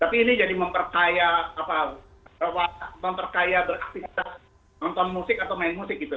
tapi ini jadi memperkaya beraktivitas nonton musik atau main musik gitu